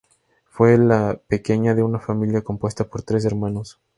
Fue la pequeña de una familia compuesta por tres hermanos.